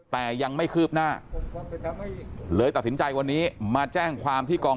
แต่ยังไม่คืบหน้าเลยตัดสินใจวันนี้มาแจ้งความที่กอง